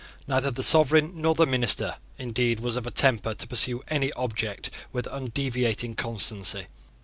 Neither the sovereign nor the minister, indeed, was of a temper to pursue any object with undeviating constancy.